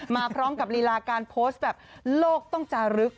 มาพร้อมกับลีลาการโพสต์แบบโลกต้องจารึก